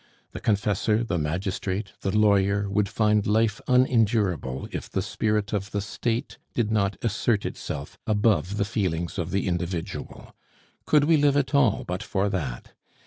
The confessor, the magistrate, the lawyer would find life unendurable if the spirit of the State did not assert itself above the feelings of the individual. Could we live at all but for that?